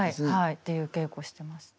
っていう稽古してます。